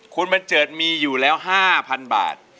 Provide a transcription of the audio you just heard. คุณบันเจิดมีอยู่แล้ว๕๐๐๐บาท